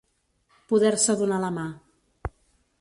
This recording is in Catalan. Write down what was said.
Poder-se donar la mà.